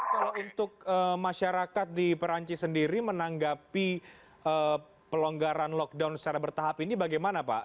kalau untuk masyarakat di perancis sendiri menanggapi pelonggaran lockdown secara bertahap ini bagaimana pak